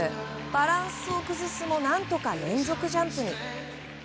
バランスを崩すも何とか連続ジャンプに。